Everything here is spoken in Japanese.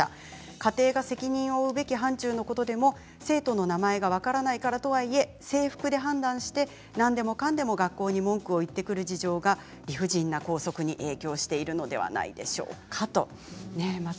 家庭が責任を負うべき範ちゅうのことでも、生徒の名前が分からないからとはいえ制服で判断してなんでもかんでも学校に文句を言ってくる事情が理不尽な法則に影響しているんだと思いますということです。